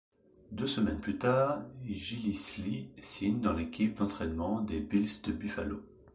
Deux semaines plus tard, Gillislee signe dans l'équipe d'entraînement des Bills de Buffalo.